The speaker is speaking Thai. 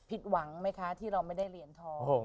ผิดหวังไหมคะที่เราไม่ได้เหรียญทอง